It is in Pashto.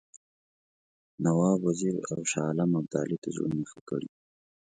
نواب وزیر او شاه عالم ابدالي ته زړونه ښه کړي.